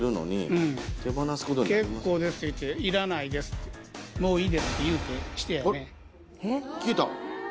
うん結構ですって言っていらないですってもういいですって言うてしてやね